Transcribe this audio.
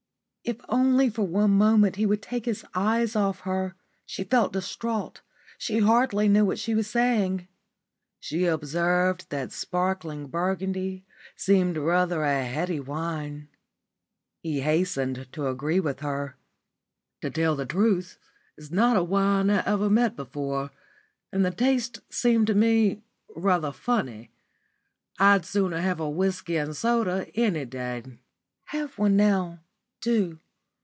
If only for one moment he would take his eyes off her. She felt distraught. She hardly knew what she was saying. She observed that sparkling Burgundy seemed rather a heady wine. He hastened to agree with her. "I didn't take much of it. To tell the truth, it's not a wine I ever met before, and the taste seemed to me rather funny. I'd sooner have a whisky and soda any day." "Have one now. Do.